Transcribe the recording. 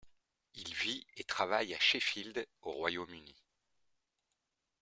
Il vit et travaille à Sheffield, au Royaume-Uni.